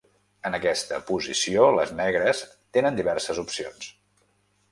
En aquesta posició, les negres tenen diverses opcions.